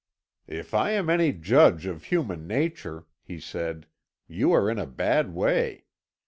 "If I am any judge of human nature," he said, "you are in a bad way.